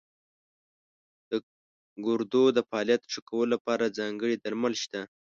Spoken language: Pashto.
د ګردو د فعالیت ښه کولو لپاره ځانګړي درمل شته.